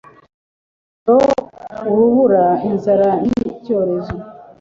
umuriro, urubura, inzara, n'icyorezo